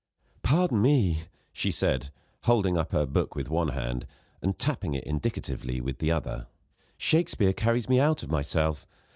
"Pardon me," she said, holding up her book with one hand, and tapping it indicatively with the other: "Shakespeare carries me out of myself.